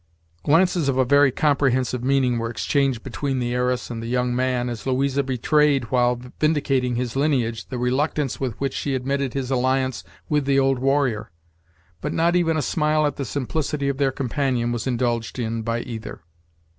Glances of a very comprehensive meaning were exchanged between the heiress and the young man, as Louisa betrayed, while vindicating his lineage, the reluctance with which she admitted his alliance with the old warrior; but not even a smile at the simplicity of their companion was indulged in by either.